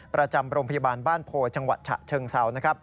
ประจำพพบจังหวัดเฉะเชิงเซา